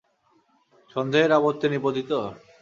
সন্দেহের আবর্তে নিপতিত?